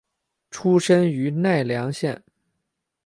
出身于奈良县。